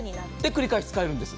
繰り返し使えるんです。